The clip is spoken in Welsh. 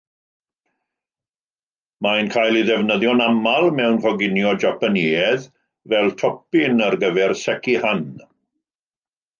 Mae'n cael ei ddefnyddio'n aml mewn coginio Japaneaidd, fel topin ar gyfer “sekihan”.